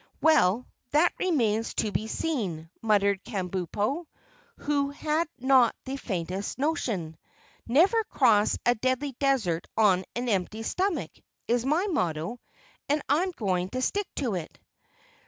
"Well, that remains to be seen," muttered Kabumpo, who had not the faintest notion. "'Never cross a Deadly Desert on an empty stomach,' is my motto, and I'm going to stick to it."